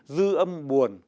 dư âm buồn